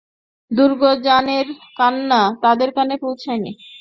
দুর্গত জনের কান্না তাদের কানে পৌঁছয়নি।